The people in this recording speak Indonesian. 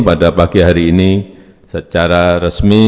pada pagi hari ini secara resmi